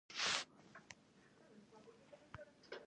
زراعت د افغان تاریخ په کتابونو کې ذکر شوی دي.